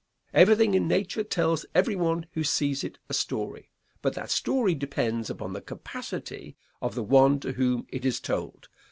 Everything in nature tells everyone who sees it a story, but that story depends upon the capacity of the one to whom it is told.